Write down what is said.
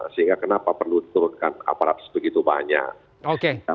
sehingga kenapa perlu diturunkan aparat sebegitu banyak